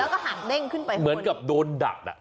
แล้วก็หักเด้งขึ้นไปเหมือนกับโดนดักอ่ะ